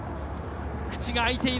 口が開いている。